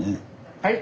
はい？